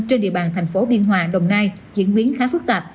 trên địa bàn thành phố biên hòa đồng nai diễn biến khá phức tạp